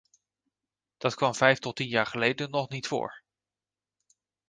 Dat kwam vijf tot tien jaar geleden nog niet voor.